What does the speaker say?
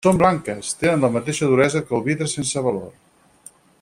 Són blanques, i tenen la mateixa duresa que el vidre sense valor.